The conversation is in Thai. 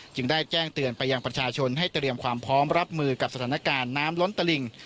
จึงได้แจ้งเตือนไปยังประชาชนให้เตรียมความพร้อมรับมือกับสถานการณ์น้ำล้นตลิ่ง